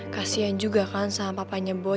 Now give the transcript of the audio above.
kasian juga kan sama papanya boy